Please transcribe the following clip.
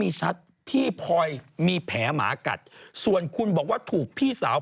ตีใช่เป็นอย่างงี้